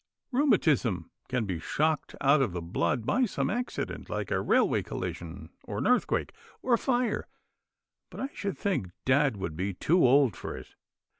Rheumatism can be shocked out of the blood by some accident like a railway collision, or an earthquake, or a fire, but I should think dad would be too old for it."